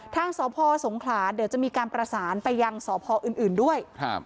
ทางสพสงขลาเดี๋ยวจะมีการประสานไปยังสพอื่นด้วยครับ